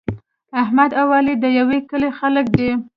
احمد او علي د یوه کلي خلک دي.